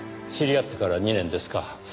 知り合ってから２年ですか。